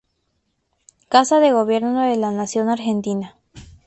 Casa de Gobierno de la Nación Argentina.